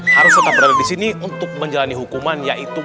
harus tetap berada disini untuk menjalani hukuman yaitu